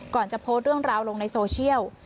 จะโพสต์เรื่องราวลงในโซเชียล